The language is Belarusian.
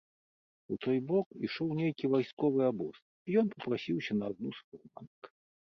У той бок ішоў нейкі вайсковы абоз, і ён папрасіўся на адну з фурманак.